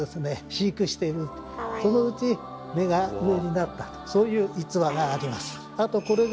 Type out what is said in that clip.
飼育しているとそのうち目が上になったとそういう逸話があります。